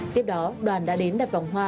tiếp đó đoàn đã đến đặt vòng hoa